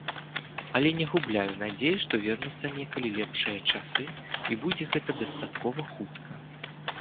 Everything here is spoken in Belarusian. Але не губляю надзеі, што вернуцца некалі лепшыя часы і будзе гэта дастаткова хутка.